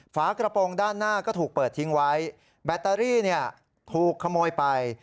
ฝากระโปรงด้านหน้าก็ถูกเปิดทิ้งไว้แบตเตอรี่เนี่ยถูกขโมยไป